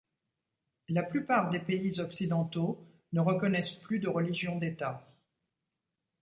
La plupart des pays occidentaux ne reconnaissent plus de religion d'État.